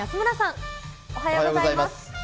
おはようございます。